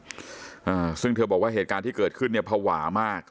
อ่าซึ่งเธอบอกว่าเหตุการณ์ที่เกิดขึ้นเนี่ยภาวะมาก